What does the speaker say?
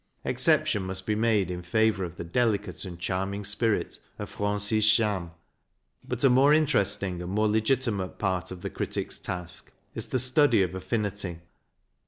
Exception must be made in favour of the delicate and charming spirit of Francis Jammes. But a more interesting and more legitimate part of the critic's task is the study of affinity.